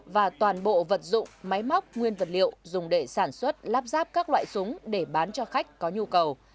và toàn bộ vật dụng máy móc nguyên vật liệu dùng để sản xuất lắp ráp các loại súng để bán cho khách có nhu cầu